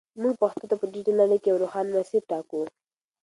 موږ پښتو ته په ډیجیټل نړۍ کې یو روښانه مسیر ټاکو.